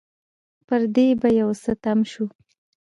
پر دې به يو څه تم شو.